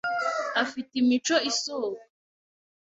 afite imico isohoka.